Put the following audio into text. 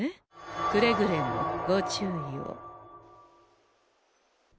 くれぐれもご注意を。